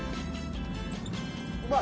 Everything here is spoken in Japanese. うまい！